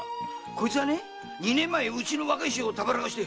こいつは二年前うちの若い衆をたぶらかしてドロンですよ。